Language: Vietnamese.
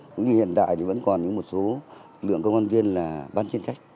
cũng như hiện đại thì vẫn còn những một số lượng công an viên là bán chuyên trách